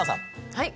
はい。